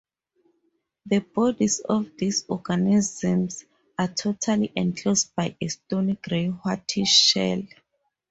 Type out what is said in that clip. The bodies of these organisms are totally enclosed by a stony gray-whitish shell.